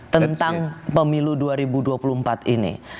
tentang pemilu dua ribu dua puluh empat ini